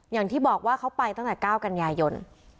อย่างที่บอกว่าเขาไปตั้งแต่๙กันยายน